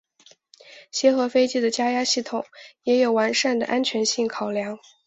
协和飞机的加压系统也有完善的安全性考量。